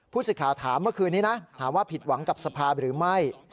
สิทธิ์ข่าวถามเมื่อคืนนี้นะถามว่าผิดหวังกับสภาหรือไม่